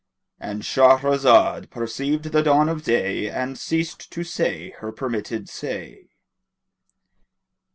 —And Shahrazad perceived the dawn of day and ceased to say her permitted say.